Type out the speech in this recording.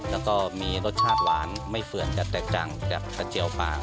แล้วก็มีรสชาติหวานไม่เปื่อนจะแตกต่างจากกระเจียวปลา